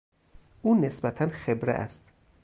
او نسبتا خبره است.